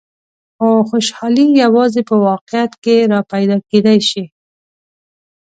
خو خوشحالي یوازې په واقعیت کې را پیدا کېدای شي.